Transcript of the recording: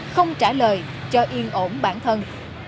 không trả lời cho yên ổn bản thân